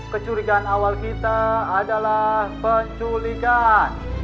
kecurigaan awal kita adalah penculikan